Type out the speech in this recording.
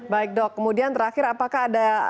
baik dok kemudian terakhir apakah ada